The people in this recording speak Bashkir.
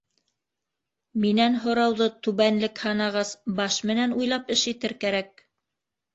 Минән һорауҙы түбәнлек һанағас, баш менән уйлап эш итер кәрәк!